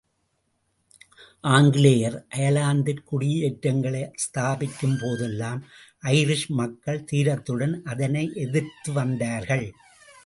ஆங்கிலேயர் அயர்லாந்திற் குடியேற்றங்களை ஸ்தாபிக்கும் போதெல்லாம் ஐரிஷ் மக்கள் தீரத்துடன் அதனை எதிர்த்துவந்தார்கள்.